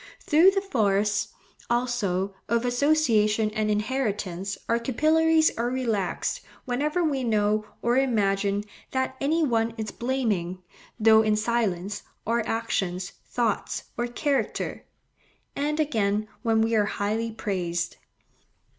Through the force, also, of association and inheritance our capillaries are relaxed, whenever we know, or imagine, that any one is blaming, though in silence, our actions, thoughts, or character; and, again, when we are highly praised.